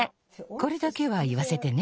これだけはいわせてね。